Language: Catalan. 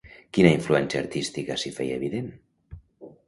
Quina influència artística s'hi feia evident?